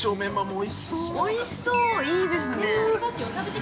◆おいしそう、いいですね。